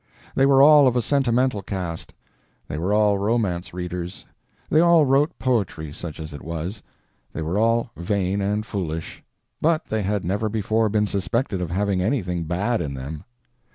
They were all of a sentimental cast; they were all romance readers; they all wrote poetry, such as it was; they were all vain and foolish; but they had never before been suspected of having anything bad in them.